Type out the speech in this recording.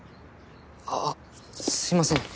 ああすいません。